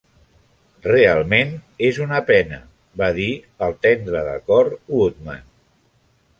Realment és una pena! va dir el tendre de cor Woodman.